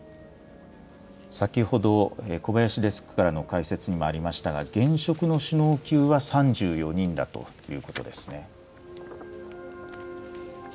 先ほど、こばやしデスクからの解説にもありましたが、現職の首脳級は３４人だということですね。